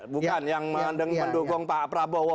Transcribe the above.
bukan yang mendukung pak prabowo